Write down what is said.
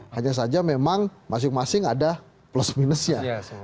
hanya saja memang masing masing ada plus minusnya